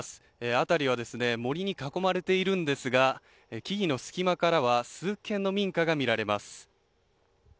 辺りは森に囲まれているんですが木々の隙間からは数軒の民家が見られます。